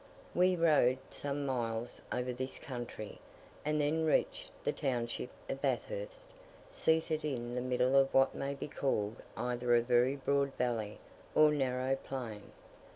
We rode some miles over this country, and then reached the township of Bathurst, seated in the middle of what may be called either a very broad valley, or narrow plain.